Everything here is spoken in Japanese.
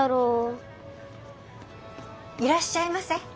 いらっしゃいませ。